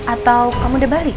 atau kamu udah balik